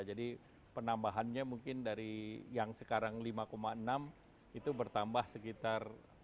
penambahannya mungkin dari yang sekarang lima enam itu bertambah sekitar